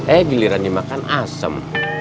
eh giliran dimakan asem